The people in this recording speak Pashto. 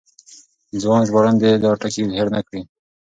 ځوان ژباړن دې دا ټکی هېر نه کړي.